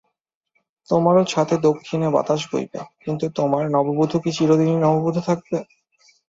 তোমারও ছাতে দক্ষিনে বাতাস বইবে, কিন্তু তোমার নববধূ কি চিরদিনই নববধূ থাকবে।